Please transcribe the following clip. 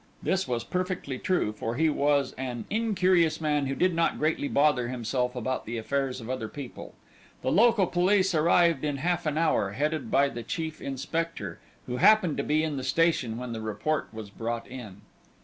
This was perfectly true, for he was an incurious man who did not greatly bother himself about the affairs of other people. The local police arrived in half an hour, headed by the chief inspector, who happened to be in the station when the report was brought in.